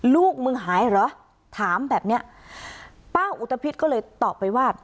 ลูกมึงหายเหรอถามแบบเนี้ยป้าอุตภิษก็เลยตอบไปว่า